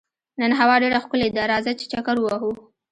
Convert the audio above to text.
نن هوا ډېره ښکلې ده، راځه چې چکر ووهو.